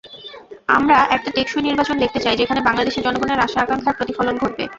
আমরা একটি টেকসই নির্বাচন দেখতে চাই, যেখানে বাংলাদেশের জনগণের আশা-আকাঙ্ক্ষার প্রতিফলন ঘটবে।